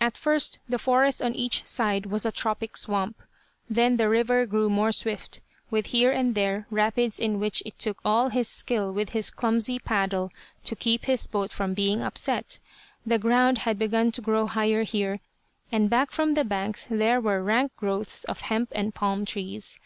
At first the forest on each side was a tropic swamp. Then the river grew more swift, with here and there rapids in which it took all his skill with his clumsy paddle to keep his boat from being upset. The ground had begun to grow higher here, and back from the banks there were rank growths of hemp and palm trees.